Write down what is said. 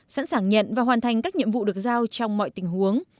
sẵn sàng nhận và hoàn thành các nhiệm vụ được giao trong mọi tình huống